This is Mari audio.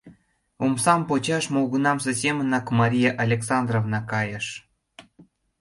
Омсам почаш молгунамсе семынак Мария Александровна кайыш.